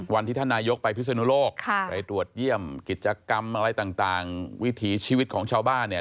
วันที่ท่านนายกไปพิศนุโลกไปตรวจเยี่ยมกิจกรรมอะไรต่างวิถีชีวิตของชาวบ้านเนี่ย